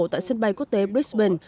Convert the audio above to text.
tại sân bay quốc tế brisbane